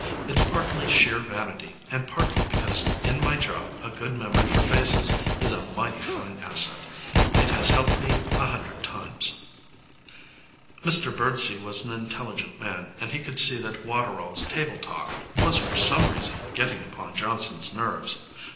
It's partly sheer vanity, and partly because in my job a good memory for faces is a mighty fine asset. It has helped me a hundred times.' Mr Birdsey was an intelligent man, and he could see that Waterall's table talk was for some reason getting upon Johnson's nerves.